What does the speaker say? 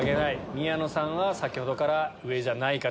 宮野さんは先ほどから上じゃないかと。